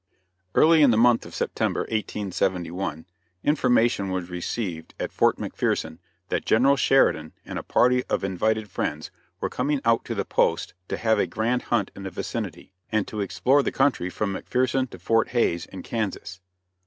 Early in the month of September, 1871, information was received at Fort McPherson that General Sheridan and a party of invited friends were coming out to the post to have a grand hunt in the vicinity, and to explore the country from McPherson to Fort Hays, in Kansas.